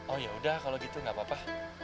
oh yaudah kalau gitu gak apa apa